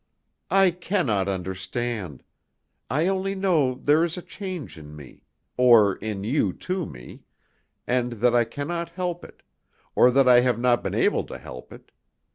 "I cannot understand. I only know there is a change in me, or in you to me, and that I cannot help it, or that I have not been able to help it.